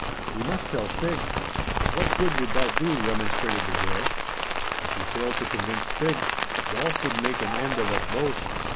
"We must tell Thig!" "What good would that do?" remonstrated the girl. "If you failed to convince Thig, Dolf would make an end of us both.